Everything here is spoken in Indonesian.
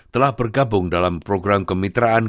telah bergabung dalam program kemitraan